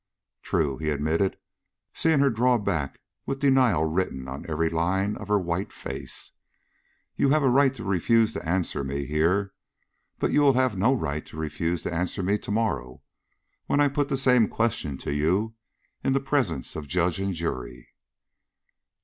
True," he admitted, seeing her draw back with denial written on every line of her white face, "you have a right to refuse to answer me here, but you will have no right to refuse to answer me to morrow when I put the same question to you in the presence of judge and jury."